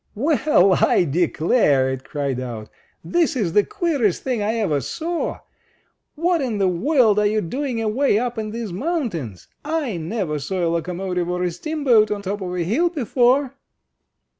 "Well, I declarer it cried out, "this is the queerest thing I ever saw! What in the world are you doing away up in these mountains? I never saw a locomotive or a steamboat on top of a hill before!"